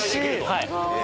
はい。